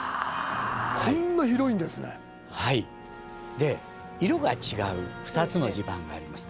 で色が違う２つの地盤があります。